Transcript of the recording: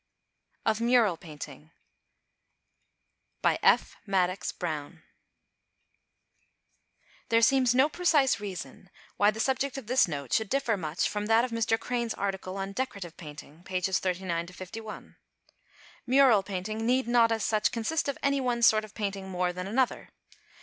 OF MURAL PAINTING There seems no precise reason why the subject of this note should differ much from that of Mr. Crane's article on "Decorative Painting" (pp. 39 51). "Mural Painting" need not, as such, consist of any one sort of painting more than another.